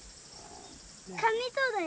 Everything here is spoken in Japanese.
かみそうだよ。